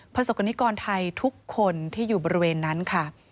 ประสบกรณิกรไทยทุกคนที่อยู่บริเวณนั้นค่ะ